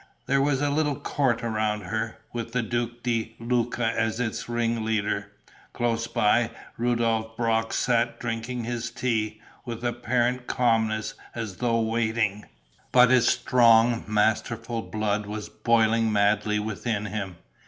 There was a little court around her, with the Duke di Luca as its ring leader. Close by, Rudolph Brox sat drinking his tea, with apparent calmness, as though waiting. But his strong, masterful blood was boiling madly within him.